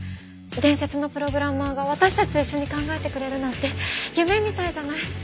伝説のプログラマーが私たちと一緒に考えてくれるなんて夢みたいじゃない。